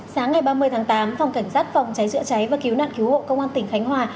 sáng ngày ba mươi tháng tám phòng cảnh sát phòng cháy chữa cháy và cứu nạn cứu hộ công an tỉnh khánh hòa